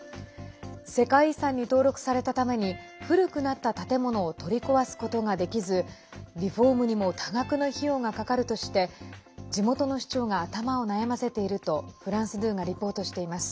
世界遺産に登録されたために古くなった建物を取り壊すことができずリフォームにも多額の費用がかかるとして地元の市長が頭を悩ませているとフランス２がリポートしています。